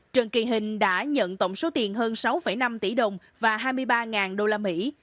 trần kỳ hình đã nhận tổng số tiền hơn sáu năm tỷ đồng và hai mươi ba đô la mỹ